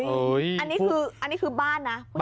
อุ๊ยอันนี้คือบ้านนะ